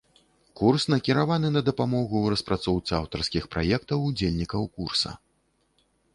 Курс накіраваны на дапамогу ў распрацоўцы аўтарскіх праектаў удзельнікаў курса.